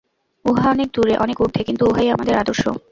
উহা অনেক দূরে, অনেক ঊর্ধ্বে, কিন্তু উহাই আমাদের আদর্শ।